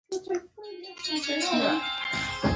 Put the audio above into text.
د ساندو قبیلې مشرتابه پر حکومتي ادارې بدله شوه.